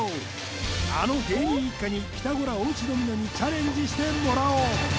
あの芸人一家にピタゴラお家ドミノにチャレンジしてもらおう！